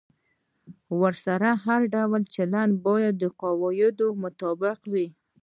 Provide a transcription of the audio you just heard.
ورسره هر ډول چلند باید د قاعدو مطابق وي.